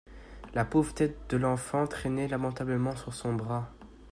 La pauvre tête de l'enfant traînait lamentablement sur son bras.